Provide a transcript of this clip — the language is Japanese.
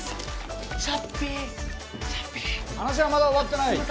話はまだ終わってない。